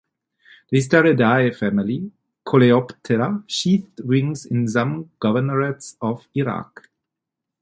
The Histeridae family Coleoptera sheathed wings in some governorates of Iraq.